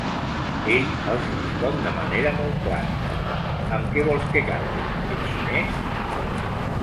Ell els respon de manera molt clara: Amb què vols que cante, en xinès?